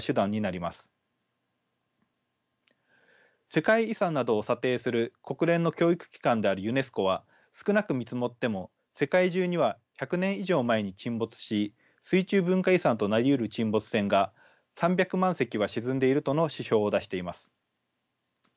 世界遺産などを査定する国連の教育機関であるユネスコは少なく見積もっても世界中には１００年以上前に沈没し水中文化遺産となりうる沈没船が３００万隻は沈んでいるとの指標を出しています。